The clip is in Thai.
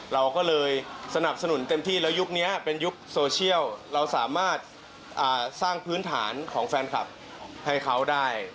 เราก็เลยสนับสนุนเต็มที่แล้วยุคนี้เป็นยุคโซเชียลเราสามารถสร้างพื้นฐานของแฟนคลับให้เขาได้